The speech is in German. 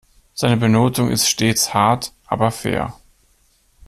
Seine Benotung ist stets hart aber fair.